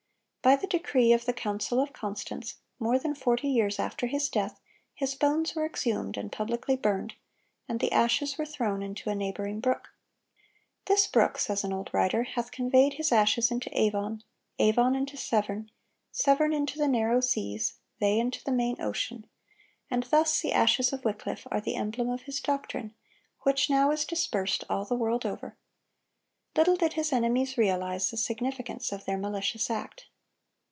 By the decree of the Council of Constance, more than forty years after his death his bones were exhumed and publicly burned, and the ashes were thrown into a neighboring brook. "This brook," says an old writer, "hath conveyed his ashes into Avon, Avon into Severn, Severn into the narrow seas, they into the main ocean. And thus the ashes of Wycliffe are the emblem of his doctrine, which now is dispersed all the world over."(124) Little did his enemies realize the significance of their malicious act.